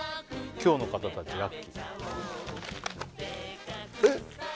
今日の方たちラッキーああ！